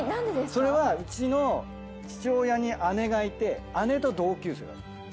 それはうちの父親に姉がいて姉と同級生だったんですよ。